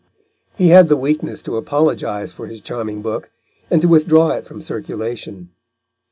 He had the weakness to apologise for his charming book, and to withdraw it from circulation.